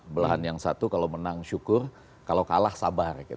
belahan yang satu kalau menang syukur kalau kalah sabar